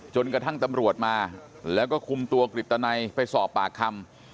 จนกระทั่งตำรวจมาแล้วก็คุมตัวกฤตนัยไปสอบปากคำ